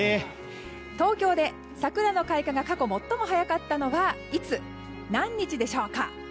東京で桜の開花が最も早かったのはいつ、何日でしょうか？